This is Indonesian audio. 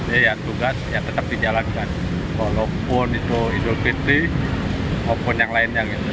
jadi ya tugas tetap dijalankan walaupun itu hidup kritis walaupun yang lainnya